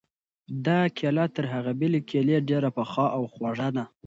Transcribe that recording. دا کیله تر هغې بلې کیلې ډېره پخه او خوږه ده.